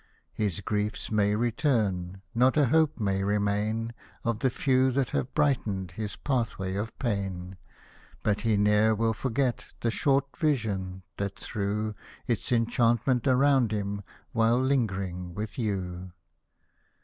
His griefs may return, not a hope may remain Of the few that have brightened his pathway of pain, But he ne'er will forget the short vision, that threw Its enchantment around him, while lingering with you.